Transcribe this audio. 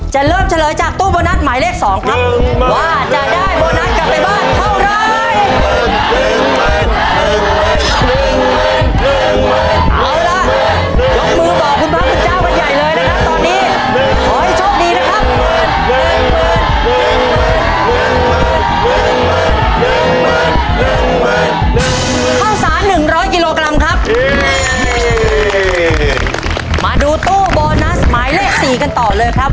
จะเริ่มเฉลยจากตู้โบนัสหมายเลขสองครับ